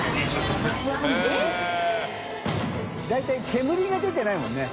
臑煙が出てないもんね。